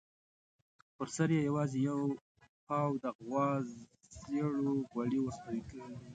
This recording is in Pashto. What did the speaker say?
پر سر یې یوازې یو پاو د غوا زېړ غوړي ورتوی کړي.